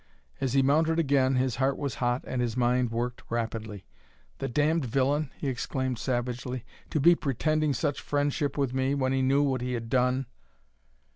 As he mounted again his heart was hot and his mind working rapidly. "The damned villain!" he exclaimed savagely, "to be pretending such friendship with me when he knew what he had done!"